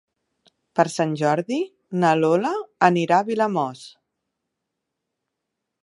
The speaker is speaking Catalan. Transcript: Per Sant Jordi na Lola anirà a Vilamòs.